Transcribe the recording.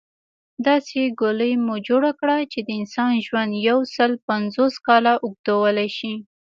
داسې ګولۍ مو جوړه کړه چې د انسان ژوند يوسل پنځوس کاله اوږدولی شي